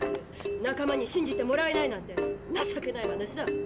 仲間に信じてもらえないなんて情けない話だ！